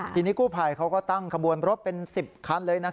ทีนี้กู้ภัยเขาก็ตั้งขบวนรถเป็น๑๐คันเลย